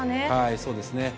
そうですね。